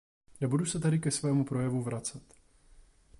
Nebudu se tedy ke svému projevu vracet.